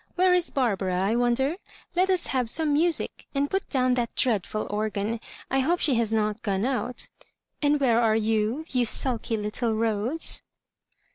Where is Barbara, I wonder? Let us have some music, and put down that dreadful organ. ^ I hope she has not gone out And where are you, you sulky little Rose